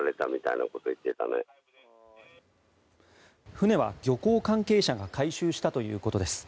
船は漁港関係者が回収したということです。